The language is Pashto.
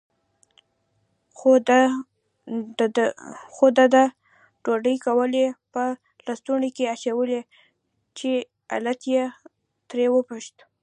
خو ده د ډوډۍ ګولې په لستوڼي کې اچولې، چې علت یې ترې وپوښت.